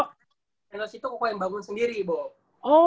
pro handels itu koko yang bangun sendiri bob